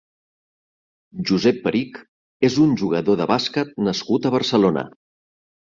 Josep Perich és un jugador de bàsquet nascut a Barcelona.